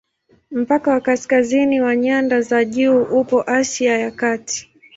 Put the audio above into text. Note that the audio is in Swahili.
Mpaka wa kaskazini wa nyanda za juu upo Asia ya Kati.